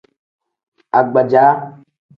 Agbaja.